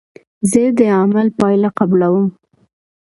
زه د عمل پایله قبلوم.